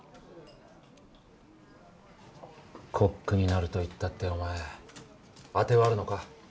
コックになるといったってお前あてはあるのか？